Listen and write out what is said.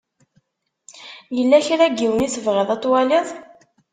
Yella kra n yiwen i tebɣiḍ ad twaliḍ?